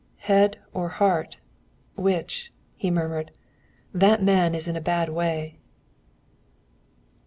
"Head or heart which?" he murmured. "That man is in a bad way."